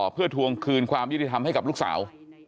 เพื่อทวงคืนความยุติธรรมให้กับลูกสาว